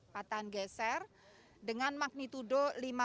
patahan geser dengan magnitudo lima enam